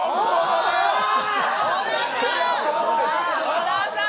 小田さん！